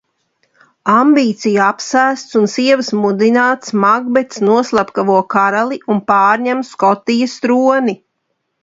Ambīciju apsēsts un sievas mudināts Makbets noslepkavo karali un pārņem Skotijas troni.